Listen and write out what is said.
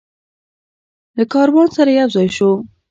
له کاروان سره یوځای شو.